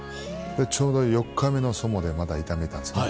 ちょうど４日目の相撲でまた痛めたんですよね。